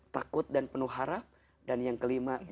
takut dan penuh harap dan yang kelima